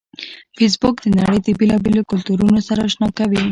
فېسبوک د نړۍ د بیلابیلو کلتورونو سره آشنا کوي